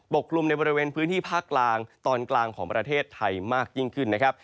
กลุ่มในบริเวณพื้นที่ภาคกลางตอนกลางของประเทศไทยมากยิ่งขึ้นนะครับ